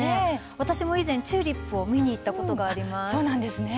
私も以前、チューリップを見に行ったことがあります。